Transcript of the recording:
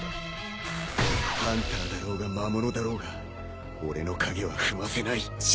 ハンターだろうが魔物だろうが俺の影は踏ませない。